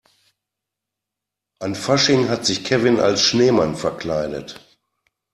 An Fasching hat sich Kevin als Schneemann verkleidet.